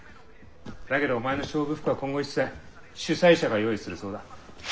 だけどお前の勝負服は今後一切主催者が用意するそうだ。